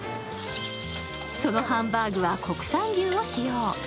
そのハンバーグは国産牛を使用。